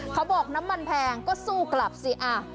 เขาบอกน้ำมันแพงก็สู้กลับสิ